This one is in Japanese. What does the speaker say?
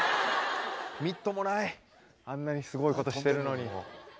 みっともないあんなにすごいことしてるのに。